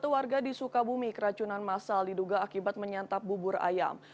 satu warga di sukabumi keracunan masal diduga akibat menyantap bubur ayam